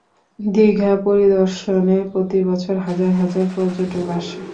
দীঘা পরিদর্শনে প্রতি বছর হাজার হাজার পর্যটক আসে।